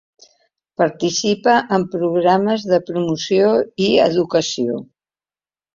Participa en programes de promoció i educació.